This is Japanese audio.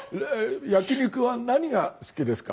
焼き肉は何が好きですか？